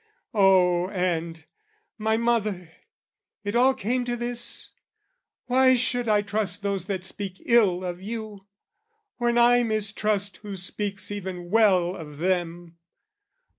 Oh and, my mother, it all came to this? Why should I trust those that speak ill of you, When I mistrust who speaks even well of them?